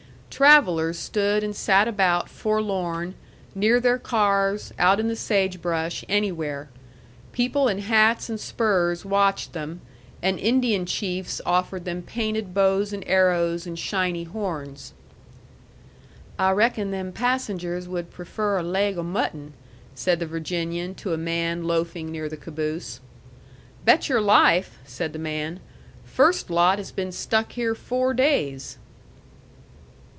Travellers stood and sat about forlorn, near the cars, out in the sage brush, anywhere. People in hats and spurs watched them, and Indian chiefs offered them painted bows and arrows and shiny horns. "I reckon them passengers would prefer a laig o' mutton," said the Virginian to a man loafing near the caboose. "Bet your life!" said the man. "First lot has been stuck here four days."